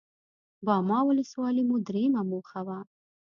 باما ولسوالي مو درېيمه موخه وه.